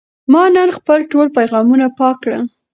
ما نن خپل ټول پیغامونه پاک کړل.